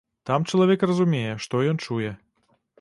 Там чалавек разумее, што ён чуе.